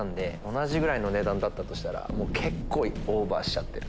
同じぐらいの値段だったとしたら結構オーバーしちゃってる。